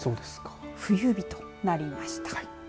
冬日となりました。